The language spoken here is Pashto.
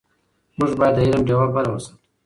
موږ باید د علم ډېوه بله وساتو.